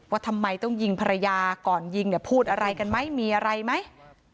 ว่าทำไมต้องยิงภรรยาก่อนยิงเนี่ยพูดอะไรกันไหมมีอะไรไหม